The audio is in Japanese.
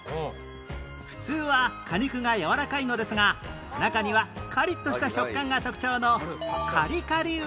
普通は果肉がやわらかいのですが中にはカリッとした食感が特徴のカリカリ梅も